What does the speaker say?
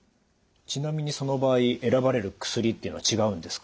ちなみにその場合選ばれる薬というのは違うんですか？